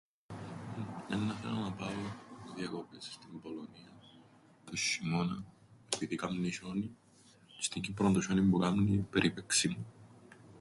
Εννά 'θελα να πάω διακοπές εις την Πολωνίαν τον σ̆ειμώναν, επειδή κάμνει σ̆ιόνιν. Στην Κ΄υπρον το σ̆ιόνιν που κάμνει εν' περιπαίξιμον.